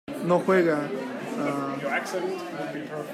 No juega...